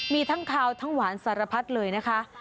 มีทั้งคาวทั้งหวานสารพัดเลยนะคะ